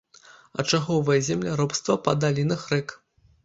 Ачаговае земляробства па далінах рэк.